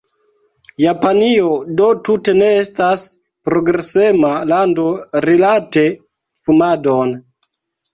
Japanio do tute ne estas progresema lando rilate fumadon.